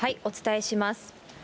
お伝えします。